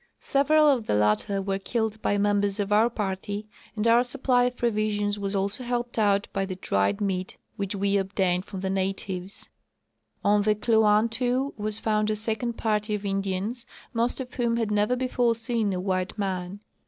Several of the latter Avere killed by members of our party, and our supply of provisions was also helped out by the dried meat which we obtained from the natives. On the Kluantu was found a second party of Indians, most of whom had never before seen a white man.